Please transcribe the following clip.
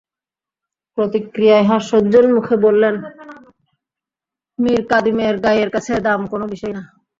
প্রতিক্রিয়ায় হাস্যোজ্জ্বল মুখে বললেন, মীরকাদিমের গাইয়ের কাছে দাম কোনো বিষয়ই না।